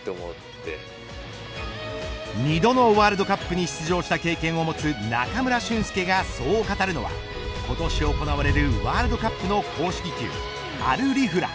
２度のワールドカップに出場した経験を持つ中村俊輔がそう語るのは今年、行われるワールドカップの公式球アルリフラ。